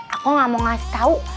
aku gak mau ngasih tau